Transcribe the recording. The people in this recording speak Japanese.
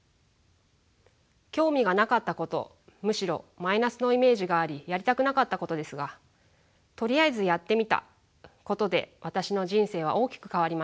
興味がなかったことむしろマイナスのイメージがありやりたくなかったことですがとりあえずやってみたことで私の人生は大きく変わりました。